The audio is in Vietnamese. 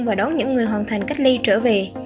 và đón những người hoàn thành cách ly trở về